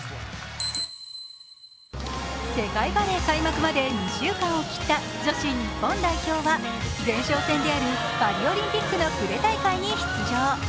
世界バレー開幕まで２週間を切った女子日本代表は前哨戦であるパリオリンピックのプレ大会に出場。